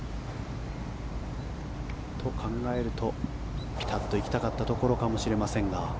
と、考えるとピタッと行きたかったところかもしれませんが。